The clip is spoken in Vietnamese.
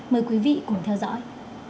mời quý vị cùng theo dõi